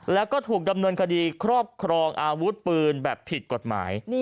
แล้วก็ถูกดำเนินคดีครอบครองอาวุธปืนแบบผิดกฎหมาย